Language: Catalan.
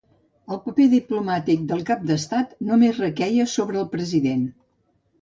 El paper diplomàtic del cap de l'estat només requeia sobre el president.